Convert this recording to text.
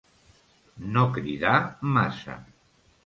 No cridar massa.